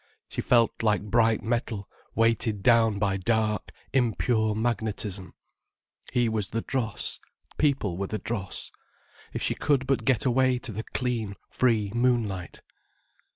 She felt like bright metal weighted down by dark, impure magnetism. He was the dross, people were the dross. If she could but get away to the clean free moonlight.